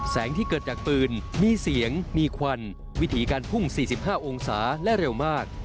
ที่เกิดจากปืนมีเสียงมีควันวิถีการพุ่ง๔๕องศาและเร็วมาก